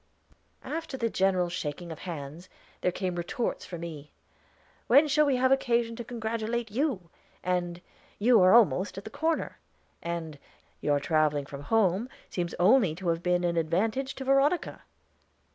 After the general shaking of hands, there came retorts for me. "When shall we have occasion to congratulate you?" And, "You are almost at the corner." And, "Your traveling from home seems only to have been an advantage to Veronica."